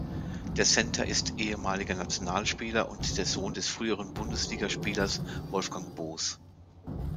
Der Center ist ehemaliger Nationalspieler und der Sohn des früheren Bundesliga-Spielers Wolfgang Boos.